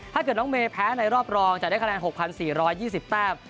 ถ้าเกิดน้องเมย์แพ้ในรอบรองจะได้คะแนน๖๔๒๐แต้ม